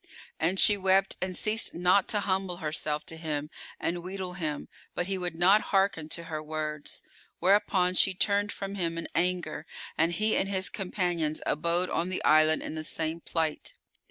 And she wept and ceased not to humble herself to him and wheedle him, but he would not hearken to her words; whereupon she turned from him, in anger, and he and his companions abode on the island in the same plight.